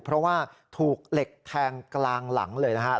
เพราะว่าถูกเหล็กแทงกลางหลังเลยนะครับ